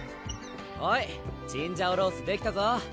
ほいチンジャオロースーできたぞ